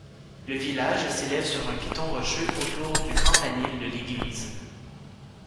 Le village s'élève sur un piton rocheux autour du campanile de l'église.